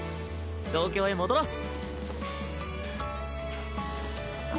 東京へ戻ろう。